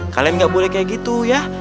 kalian gak boleh kayak gitu ya